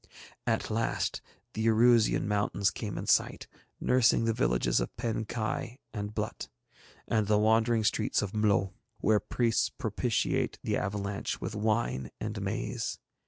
At last the Irusian mountains came in sight, nursing the villages of Pen Kai and Blut, and the wandering streets of Mlo, where priests propitiate the avalanche with wine and maize.